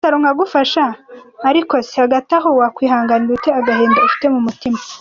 Ariko se hagati aho, wakwihanganira ute agahinda ufite mu mutima?.